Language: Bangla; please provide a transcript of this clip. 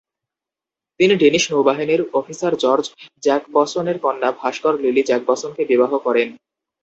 তিনি ডেনিশ নৌবাহিনীর অফিসার জর্জ জ্যাকবসনের কন্যা ভাস্কর লিলি জ্যাকবসনকে বিবাহ করেন।